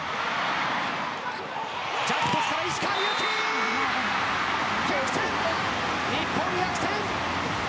ジャンプトスから石川祐希！日本逆転！